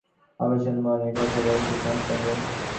অবচেতন মনই কথা বলেছে, তোমার সঙ্গে।